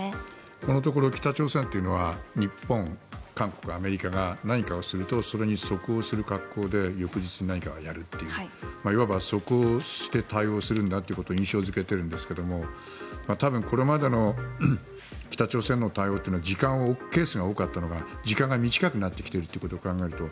このところ北朝鮮というのは日本、韓国、アメリカが何かをするとそれに即応する格好で翌日に何かをやるといういわば即応して対応するんだということを印象付けているんですが多分、これまでの北朝鮮の対応というのは時間を置くケースが多かったのが時間が短くなっていることを考えると